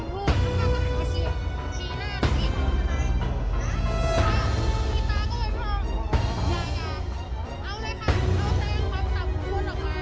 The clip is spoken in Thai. ก็คือหันมาพูดไข่หน้าเนี่ยก็ต้องมองเห็นว่าไข่เป็นคนพูด